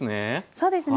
そうですね。